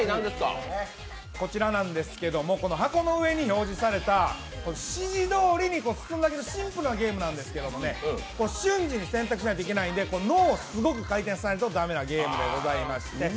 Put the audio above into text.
こちらなんですけど、箱の上に標示された進むだけのシンプルなゲームなんですけどね、瞬時に選択しないといけないので脳をすごく回転させないといけないゲームでして。